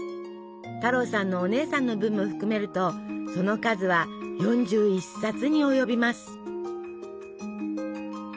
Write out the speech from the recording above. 太郎さんのお姉さんの分も含めるとその数は４１冊に及びます。